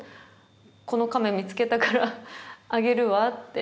「この亀見つけたからあげるわ」っておっしゃって。